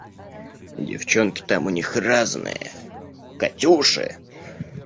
Девчонки там у них разные… Катюши!